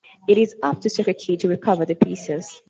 It is up to Soccer Kid to recover the pieces.